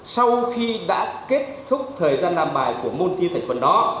sau khi đã kết thúc thời gian làm bài của môn thi thành phần đó